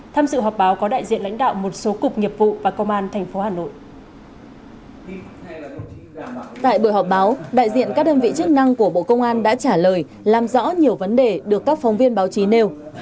tại buổi họp báo đại diện các đơn vị chức năng của bộ công an đã trả lời làm rõ nhiều vấn đề được các phóng viên báo chí nêu